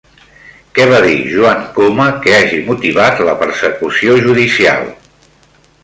Què va dir Joan Coma que hagi motivat la persecució judicial?